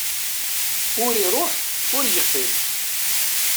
Ur iruḥ ur yeqqim.